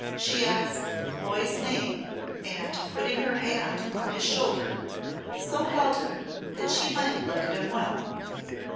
She asked the boy's name, and, putting her hand on his shoulder, so held him that she might look at him well.